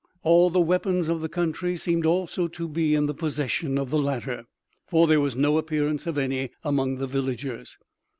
All the weapons of the country seemed also to be in the possession of the latter, for there was no appearance of any among the villagers.